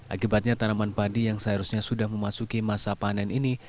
akibatnya tanaman padi yang seharusnya sudah memasuki masa panen ini